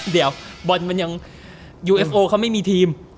เดี๋ยวบอลมันยังยูเอฟโอเขาไม่มีทีม